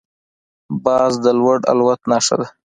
باز د لوړ الوت نښه ده